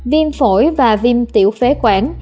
viêm phổi và viêm tiểu phế quản